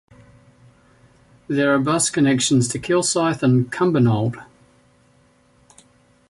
There are bus connections to Kilsyth and Cumbernauld.